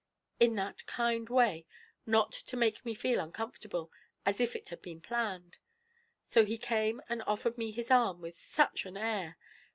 in that kind way, not to make me feel uncomfortable, as if it had been planned. So he came and offered me his arm with such an air!